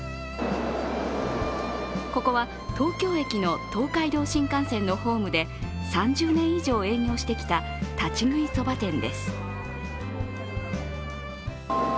ここは、東京駅の東海道新幹線のホームで３０年以上営業してきた立ち食いそば店です。